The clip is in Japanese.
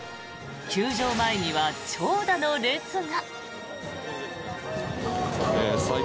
球場前には長蛇の列が。